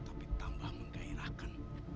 tapi tambah menggairahkan